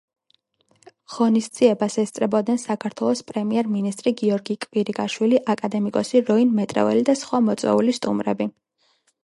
ღონისძიებას ესწრებოდნენ საქართველოს პრემიერ-მინისტრი გიორგი კვირიკაშვილი, აკადემიკოსი როინ მეტრეველი და სხვა მოწვეული სტუმრები.